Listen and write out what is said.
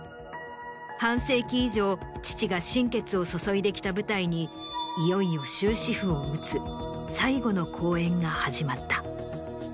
半世紀以上父が心血を注いできた舞台にいよいよ終止符を打つ最後の公演が始まった。